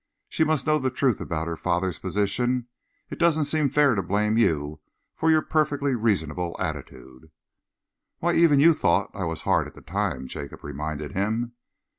She must know the truth about her father's position. It doesn't seem fair to blame you for your perfectly reasonable attitude." "Why, even you thought I was hard at the time," Jacob reminded him.